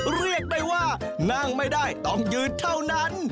เรียกได้ว่านั่งไม่ได้ต้องยืนเท่านั้น